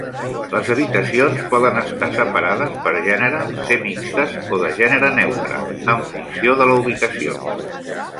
Les habitacions poden estar separades per gènere, ser mixtes o de gènere neutre, en funció de la ubicació.